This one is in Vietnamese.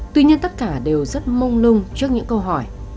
tuy nhiên tất cả đều rất mông lung trước những câu hỏi